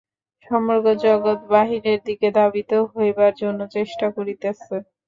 সমগ্র জগৎ বাহিরের দিকে ধাবিত হইবার জন্য চেষ্টা করিতেছে।